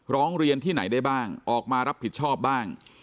ร้องเรียนที่ไหนได้บ้างออกมารับผิดชอบบ้าง